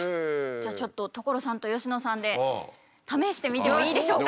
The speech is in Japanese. じゃあちょっと所さんと佳乃さんで試してみてもいいでしょうか？